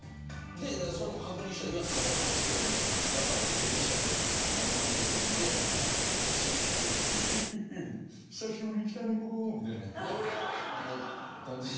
でそれを確認したら「いやそうなんですよ」みたいな。だから僕西田敏行さんのモノマネできるので走ってきて「ヘッヘッヘッヘッ。久しぶりに来たねここ」みたいなのやって。